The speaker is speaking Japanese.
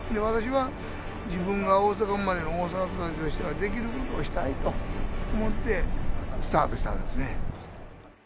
私は、自分は大阪生まれの大阪育ちとしてはできることをしたいと思って、スタートしたんですね。